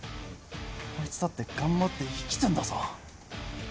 こいつだって頑張って生きてんだぞ。